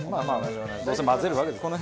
どうせ混ぜるわけですから。